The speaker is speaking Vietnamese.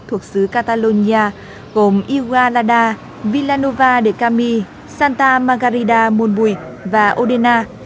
thuộc xứ catalonia gồm igualada villanova de cami santa margarida monbui và odena